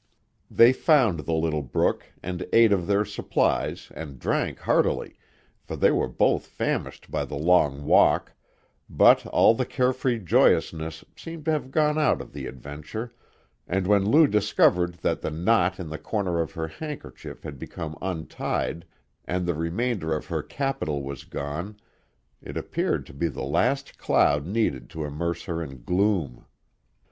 They found the little brook, and ate of their supplies and drank heartily, for they were both famished by the long walk, but all the carefree joyousness seemed to have gone out of the adventure, and when Lou discovered that the knot in the corner of her handkerchief had become untied and the remainder of her capital was gone, it appeared to be the last cloud needed to immerse her in gloom.